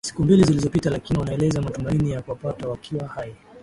siku mbili zilizopita lakini wanaeleza matumaini ya kuwapata wakiwa hai